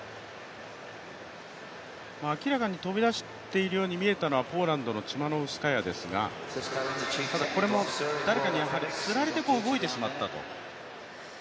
明らかに飛び出しているように見えたのはポーランドのチマノウスカヤですがただこれも誰かにやはりつられて動いてしまったと。